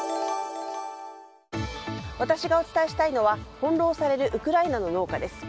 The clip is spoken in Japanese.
私がお伝えしたいのは翻弄されるウクライナの農家です。